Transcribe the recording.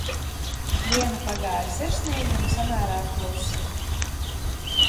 Diena pagāja sirsnīgi un samērā klusi.